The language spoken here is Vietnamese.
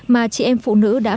mà chị em phụ nữ đã tạo ra